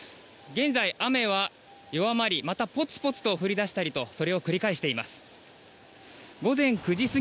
現在、雨は弱まりまたポツポツと降り出したりとそれを繰り返しています。